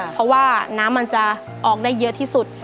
เพราะว่าน้ำมันจะออกได้เยอะที่สุด